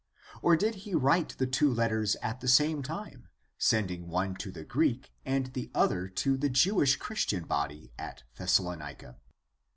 Or did he write the two letters at the same time, sending one to the Greek and the other to the Jewish Christian body at Thessalonica?